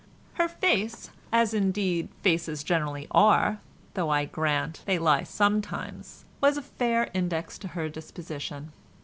Her face (as indeed faces generally are, though I grant they lie sometimes) was a fair index to her disposition.